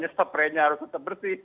seprenya harus tetap bersih